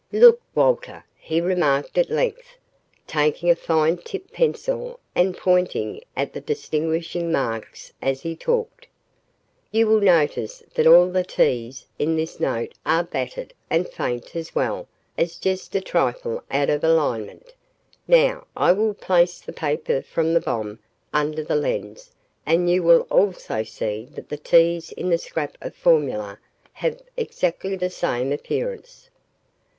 "Look, Walter," he remarked at length, taking a fine tipped pencil and pointing at the distinguishing marks as he talked, "You will notice that all the 'T's' in this note are battered and faint as well as just a trifle out of alignment. Now I will place the paper from the bomb under the lens and you will also see that the 'T's' in the scrap of formula have exactly the same appearance.